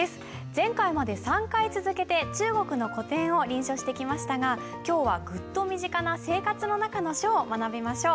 前回まで３回続けて中国の古典を臨書してきましたが今日はグッと身近な「生活の中の書」を学びましょう。